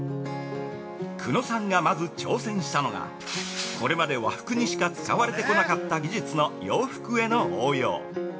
◆久野さんがまず挑戦したのが、これまで和服にしか使われてこなかった技術の洋服への応用。